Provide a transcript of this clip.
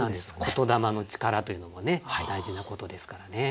言霊の力というのもね大事なことですからね。